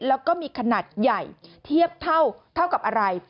แล้วก็มีขนาดใหญ่เทียบเท่ากับอะไร